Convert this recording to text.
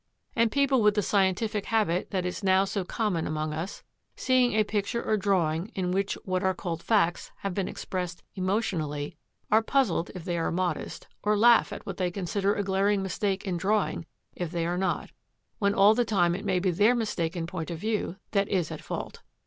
And people with the scientific habit that is now so common among us, seeing a picture or drawing in which what are called facts have been expressed emotionally, are puzzled, if they are modest, or laugh at what they consider a glaring mistake in drawing if they are not, when all the time it may be their mistaken point of view that is at fault.